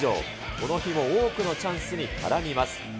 この日も多くのチャンスに絡みます。